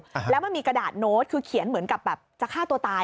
ครับแล้วมันมีกระดาษโน้ตคือเขียนเหมือนกับแบบจะฆ่าตัวตาย